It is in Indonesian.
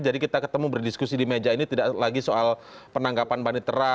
jadi kita ketemu berdiskusi di meja ini tidak lagi soal penangkapan banditera